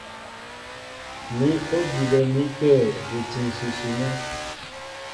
Mǐ' ó dibɛ mi tə̂ buti ǹsʉsʉ nɛ́.